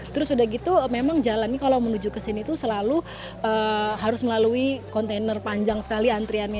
terus udah gitu memang jalannya kalau menuju ke sini tuh selalu harus melalui kontainer panjang sekali antriannya